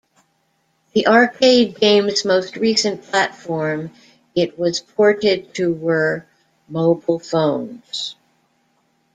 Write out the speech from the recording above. The arcade game's most recent platform it was ported to were mobile phones.